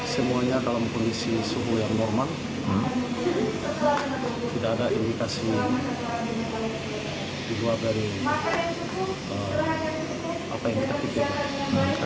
semuanya dalam kondisi suhu yang normal tidak ada indikasi di luar dari apa yang kita pikirkan